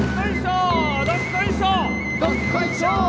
どっこいしょー